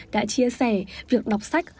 đã chia sẻ việc đọc sách